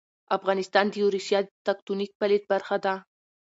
افغانستان د یوریشیا تکتونیک پلیټ برخه ده